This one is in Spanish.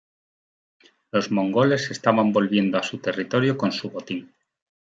Los mongoles estaban volviendo a su territorio con su botín.